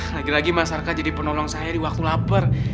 lagi lagi masyarakat jadi penolong saya di waktu lapar